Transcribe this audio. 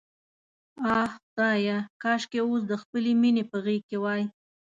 آه خدایه، کاشکې اوس د خپلې مینې په غېږ کې وای.